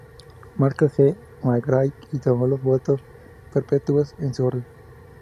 Marcos G. McGrath y tomó los votos perpetuos en su orden.